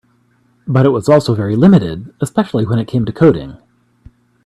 But it was also very limited, especially when it came to coding.